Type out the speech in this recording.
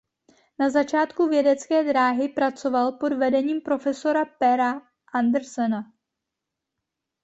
Na začátku vědecké dráhy pracoval pod vedením profesora Pera Andersena.